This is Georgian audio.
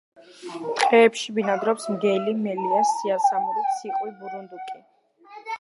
ტყეებში ბინადრობს მგელი, მელია, სიასამური, ციყვი, ბურუნდუკი.